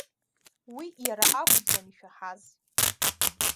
Уи иара акәӡам, ишәаҳаз.